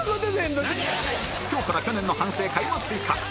今日から去年の反省会も追加